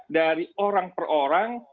dari orang per orang